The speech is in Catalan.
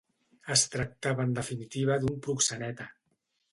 Es tractava en definitiva d'un proxeneta.